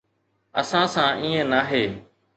اسان سان ائين ناهي.